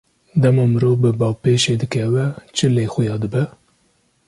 Dema mirov bi bapêşê dikeve, çi lê xuya dibe?